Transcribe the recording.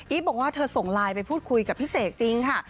บอกว่าเธอส่งไลน์ไปพูดคุยกับพี่เสกจริงค่ะ